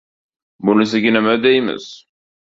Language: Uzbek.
Bunisiga nima deymiz?